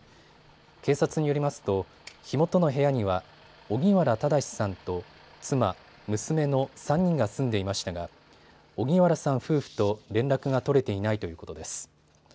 警察によりますと火元の部屋には荻原正さんと妻、娘の３人が住んでいましたが荻原さん夫婦と連絡が取れていないということです。